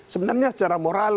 sebenarnya secara moral